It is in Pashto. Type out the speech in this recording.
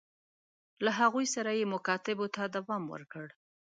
له هغوی سره یې مکاتبو ته دوام ورکړ.